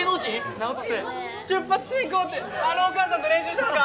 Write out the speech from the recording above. なあ音瀬「出発進行」ってあのお母さんと練習したのか？